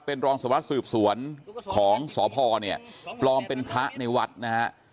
เป็นรองสวัสดิสืบสวนของสพเนี่ยปลอมเป็นพระในวัดนะฮะ